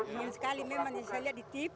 ingin sekali memang bisa dilihat di tv